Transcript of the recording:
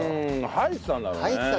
吐いてたんだろうね。